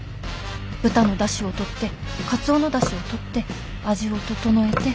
豚の出汁をとってカツオの出汁をとって味を調えて。